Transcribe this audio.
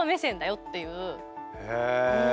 へえ。